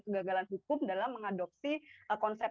kegagalan hukum dalam mengadopsi konsep